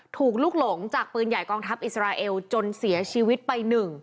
ถูกลุกหลงจากปืนใหญ่กองทัพอิสราเอลจนเสียชีวิตไป๑